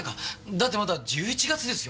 だってまだ１１月ですよ。